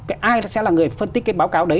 cái ai sẽ là người phân tích cái báo cáo đấy